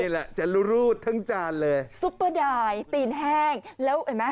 แหละจะรูดทั้งจานเลยซุปเปอร์ดายตีนแห้งแล้วเห็นไหม